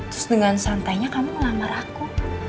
terus dengan santainya kamu melamar aku